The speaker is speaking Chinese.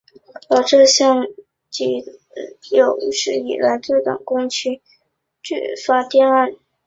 而这项应急的发电工程也是台电公司有史以来最短工期之离岛发电案。